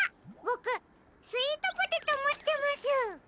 ボクスイートポテトもってます。